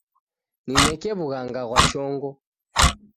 Nineke w'ughanga ghwa chongo.